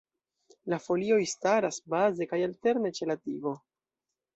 La folioj staras baze kaj alterne ĉe la tigo.